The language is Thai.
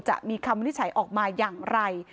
จะมีคำวินิจฉัยออกมาอย่างไร